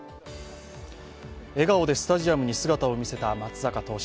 笑顔でスタジアムに姿を見せた松坂投手。